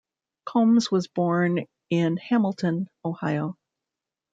Combs was born in Hamilton, Ohio.